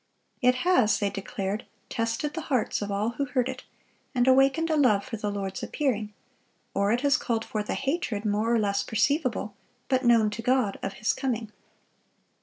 "It has," they declared, "tested the hearts of all who heard it, and awakened a love for the Lord's appearing; or it has called forth a hatred, more or less perceivable, but known to God, of His coming.